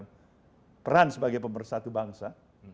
mereka bisa berperan sebagai pemersatu bangsa